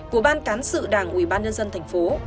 của ban cán sự đảng ủy ban nhân dân thành phố